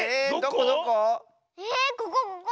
ここここ！